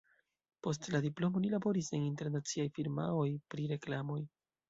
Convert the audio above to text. Post la diplomo li laboris en internaciaj firmaoj pri reklamoj.